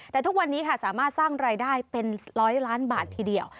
แต่ทุกวันนี้ค่ะสามารถสร้างรายได้เป็นร้อยล้านบาททีเดียว